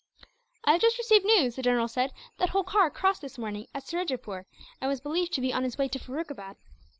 "I have just received news," the general said, "that Holkar crossed this morning, at Surajepoor; and was believed to be on his way to Furukabad.